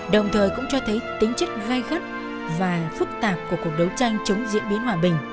đồng thời cũng cho thấy tính chất gây gắt và phức tạp của cuộc đấu tranh chống diễn biến hòa bình